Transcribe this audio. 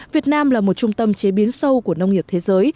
việt nam là một trung tâm chế biến sâu của nông nghiệp thế giới